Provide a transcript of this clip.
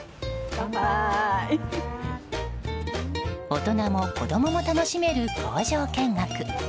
大人も子供も楽しめる工場見学。